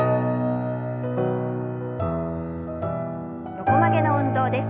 横曲げの運動です。